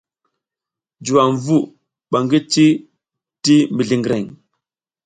Juwam vu ɓa ngi ci tir mizliŋgreŋ.